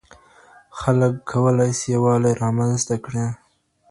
خلګ کولای سي يووالی رامنځته کړي.